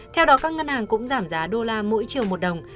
theo đó các ngân hàng cũng giảm giá đô la mỗi chiều một đồng